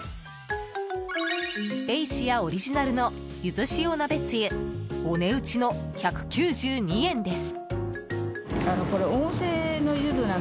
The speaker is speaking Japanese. ベイシアオリジナルのゆず塩鍋つゆお値打ちの１９２円です。